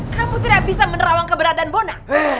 kamu tidak bisa menerawang keberatan bona